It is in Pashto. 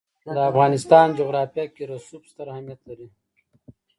د افغانستان جغرافیه کې رسوب ستر اهمیت لري.